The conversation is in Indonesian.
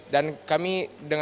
dan kami dengan tugasnya